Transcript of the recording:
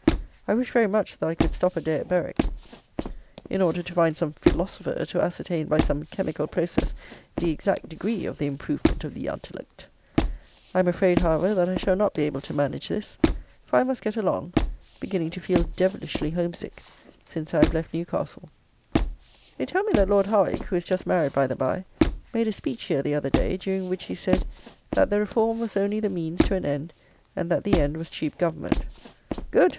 I wish very much that I could stop a day at Berwick, in order to find some feelosofer to ascertain, by some chemical process, the exact degree of the improvement of the "antalluct." I am afraid, however, that I shall not be able to manage this; for I must get along; beginning to feel devilishly home sick since I have left Newcastle. They tell me that Lord Howick, who is just married by the by, made a speech here the other day, during which he said, "that the Reform was only the means to an end; and that the end was cheap government." Good!